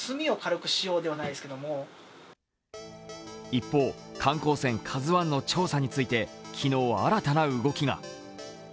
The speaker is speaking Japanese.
一方、観光船「ＫＡＺＵⅠ」の調査について、日新たな動きが。